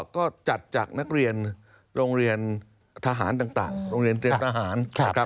ก็จัดจากนักเรียนโรงเรียนทหารต่างโรงเรียนเตรียมทหารนะครับ